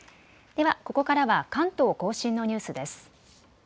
ではここからは関東甲信のニュースです。